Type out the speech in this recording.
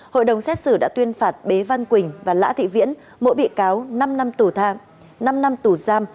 hội đồng xét xử đã tuyên phạt bế văn quỳnh và lã thị viễn mỗi bị cáo năm năm tù giam